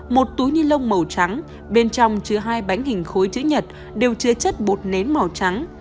một túi ni lông màu trắng bên trong chứa hai bánh hình khối chữ nhật đều chứa chất bột nén màu trắng